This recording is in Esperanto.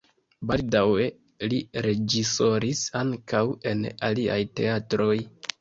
Baldaŭe li reĝisoris ankaŭ en aliaj teatroj.